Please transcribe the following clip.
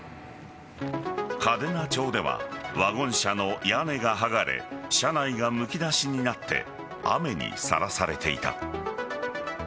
嘉手納町ではワゴン車の屋根が剥がれ車内がむき出しになって雨にさらされていた。